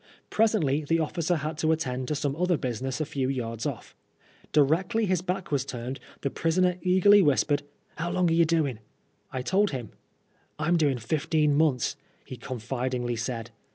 Presently the officer had to attend to some other business a few yards off. Directly his back was turned the prisoner eagerly whispered, " How long are ye doin* ?" I told him. rm doin' fifteen months," he confidingly said.